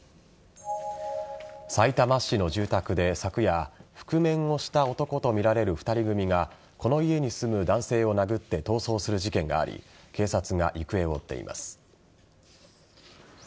さいたま市の住宅で昨夜覆面をした男とみられる２人組がこの家に住む男性を殴って逃走する事件があり警察が行方を追っています。